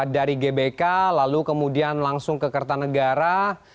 dari gbk lalu kemudian langsung ke kertanegara